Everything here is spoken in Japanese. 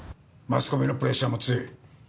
マスコミのプレッシャーも強い。